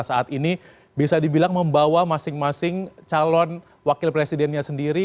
saat ini bisa dibilang membawa masing masing calon wakil presidennya sendiri